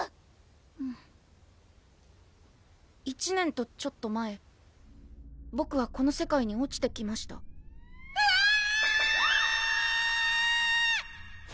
うん１年とちょっと前ボクはこの世界に落ちてきましたわぁ！